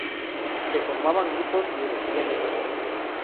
Se formaban grupos y elegían un deporte.